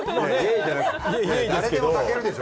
誰でも炊けるでしょ！